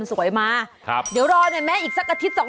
เขาก็ทำสวยมาเดี๋ยวรอแม่อีกสักอาทิตย์